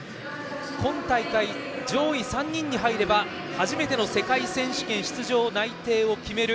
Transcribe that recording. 今大会、上位３人に入れば初めての世界選手権の出場内定を決める